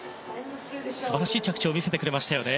素晴らしい着地を見せてくれましたね。